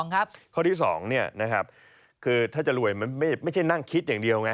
๒ครับข้อที่๒เนี่ยนะครับคือถ้าจะรวยมันไม่ใช่นั่งคิดอย่างเดียวไง